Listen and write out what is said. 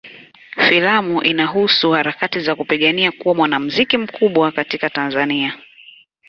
Filamu inahusu harakati za kupigania kuwa mwanamuziki mkubwa katika Tanzania.